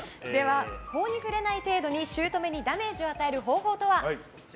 法に触れない程度に姑にダメージを与える方法とは？